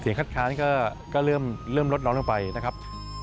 คัดค้านก็เริ่มลดร้อนลงไปนะครับ